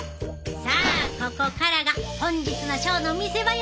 さあここからが本日のショーの見せ場やで！